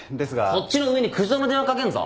そっちの上に苦情の電話かけんぞ